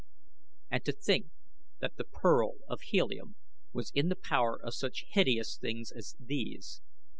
And to think that the pearl of Helium was in the power of such hideous things as these.